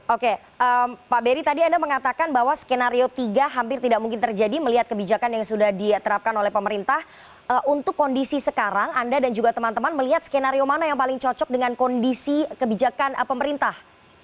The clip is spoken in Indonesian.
oke pak beri tadi anda mengatakan bahwa skenario tiga hampir tidak mungkin terjadi melihat kebijakan yang sudah diterapkan oleh pemerintah untuk kondisi sekarang anda dan juga teman teman melihat skenario mana yang paling cocok dengan kondisi kebijakan pemerintah